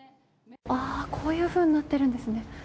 こういうふうになってるんですね。